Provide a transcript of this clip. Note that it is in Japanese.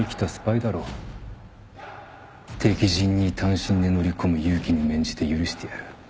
敵陣に単身で乗り込む勇気に免じて許してやる。